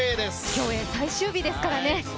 競泳最終日ですからね。